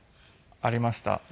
ありました。